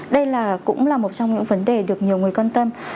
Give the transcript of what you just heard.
đây cũng là một trong những vấn đề được nhiều người quan tâm